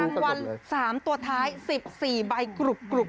รางวัล๓ตัวท้าย๑๔ใบกรุบ